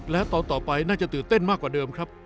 และตอนต่อไปน่าจะตื่นเต้นมากกว่าเดิมครับ